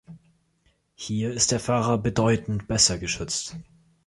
Hier ist der Fahrer bedeutend besser geschützt.